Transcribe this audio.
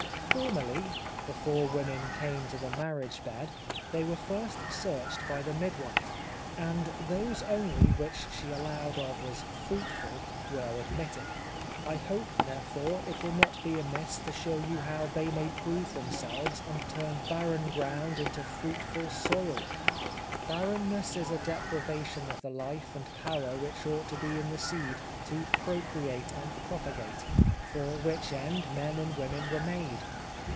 Formerly, before women came to the marriage bed, they were first searched by the mid wife, and those only which she allowed of as fruitful were admitted. I hope, therefore, it will not be amiss to show you how they may prove themselves and turn barren ground into fruitful soil. Barrenness is a deprivation of the life and power which ought to be in the seed to procreate and propagate; for which end men and women were made.